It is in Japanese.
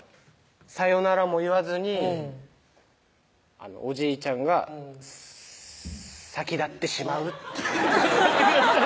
さよならも言わずにおじいちゃんが先立ってしまうちょっと待ってください